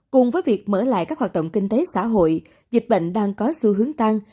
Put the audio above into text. cùng với việc mở lại các hoạt động kinh tế xã hội dịch bệnh đang có xu hướng tăng